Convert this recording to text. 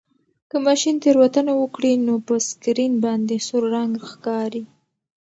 که ماشین تېروتنه وکړي نو په سکرین باندې سور رنګ ښکاري.